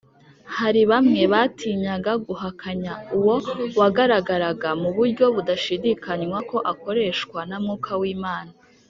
. Hari bamwe batinyaga guhakanya Uwo wagaragaraga mu buryo budashidikanywa ko akoreshwa na Mwuka w’Imana.